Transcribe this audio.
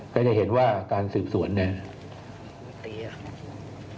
ก็จะเห็นว่าการสืบสวนเนี่ย